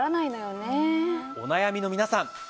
お悩みの皆さん